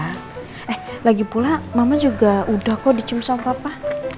eh lagi pula mama juga udah kok dicium sama papa